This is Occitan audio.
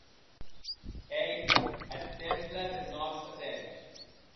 Ei eth temple deth nòste temps.